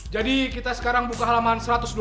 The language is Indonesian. kita sekarang buka halaman satu ratus dua puluh